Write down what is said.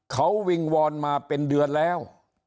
เขาวิงวอนมาเป็นเดือนแล้ว